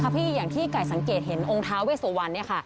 ค่ะพี่อย่างที่ใกล้สังเกตเห็นองค์ทาเวสวรรค์นี้ค่ะ